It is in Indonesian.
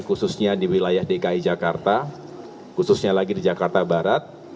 khususnya di wilayah dki jakarta khususnya lagi di jakarta barat